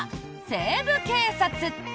「西部警察」。